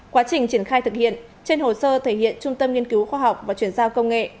quá trình triển khai thực hiện trên hồ sơ thể hiện trung tâm nghiên cứu khoa học và chuyển giao công nghệ